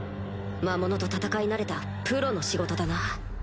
魔物と戦い慣れたプロの仕事だな